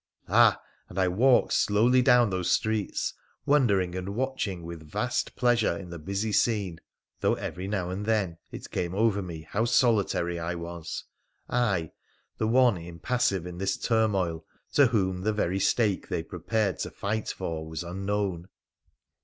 Ah! and ] walked slowly down those streets, wondering and watching with vast pleasure in the busy scene, though every now anc then it came over me how solitary I was — I, the one impas sive in this turmoil, to whom the very stake they prepared t( fight for was unknown